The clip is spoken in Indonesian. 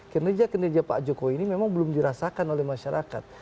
kinerja kinerja pak jokowi ini memang belum dirasakan oleh masyarakat